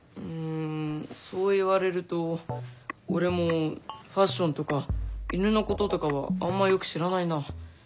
うんそう言われると俺もファッションとか犬のこととかはあんまよく知らないな。